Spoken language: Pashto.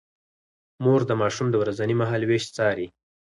مور د ماشوم د ورځني مهالوېش څاري.